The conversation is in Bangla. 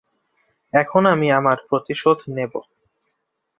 এখন আমি আমার প্রতিশোধ নেবো।